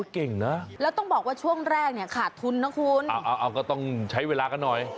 เก่งนะแล้วต้องบอกว่าช่วงแรกเนี่ยขาดทุนนะคุณเอาก็ต้องใช้เวลากันหน่อย